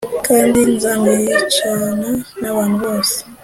kandi nzamwicana n’abantu bose